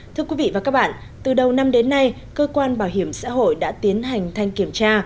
thưa quý vị và các bạn từ đầu năm đến nay cơ quan bảo hiểm xã hội đã tiến hành thanh kiểm tra